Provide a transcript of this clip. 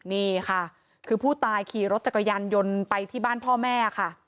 นี่ค่ะคือผู้ตายขี่รถจักรยานยนต์ไปที่บ้านพ่อแม่ค่ะ